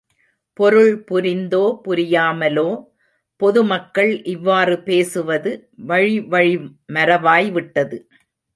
பொருள் புரிந்தோ புரியாமலோ, பொதுமக்கள் இவ்வாறு பேசுவது, வழி வழி மரபாய் விட்டது.